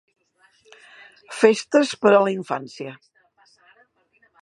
Festes per a la infància.